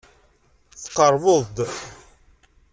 Tqerrbeḍ-d.